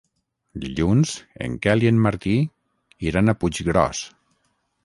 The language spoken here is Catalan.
Dilluns en Quel i en Martí iran a Puiggròs.